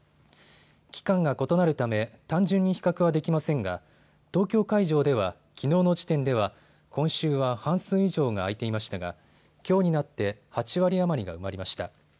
期間が異なるため、単純に比較はできませんが東京会場ではきのうの時点では今週は半数以上が空いていましたがきょうになって８割余りが埋まりました。